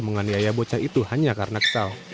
menganiaya bocah itu hanya karena kesal